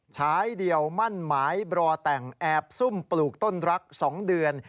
ฉายเดียวมั่นหมายรอแต่งแอบซุ่มปลูกต้นรัก๒เดือน